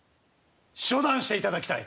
処断していただきたい！